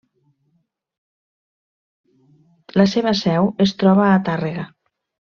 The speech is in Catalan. La seva seu es troba a Tàrrega.